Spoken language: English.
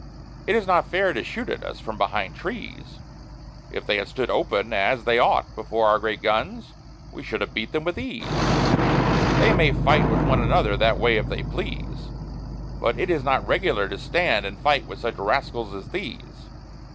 It was not fair to shoot at us from behind trees, If they had stood open, as they ought, before our great guns, we should have beat them with ease, They may fight with one another that way if they please, But it is not regular to stand, and fight with such rascals as these.